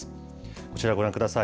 こちらご覧ください。